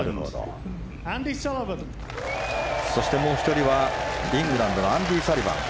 そして、もう１人はイングランドのアンディー・サリバン。